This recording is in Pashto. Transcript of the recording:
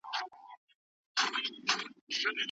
ایمان موږ ته د نېکو اعمالو شوق راکوي.